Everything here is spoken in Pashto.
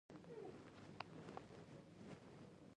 د ماشوم د خوب لپاره د کوم شي تېل وکاروم؟